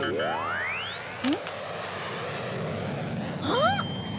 あっ！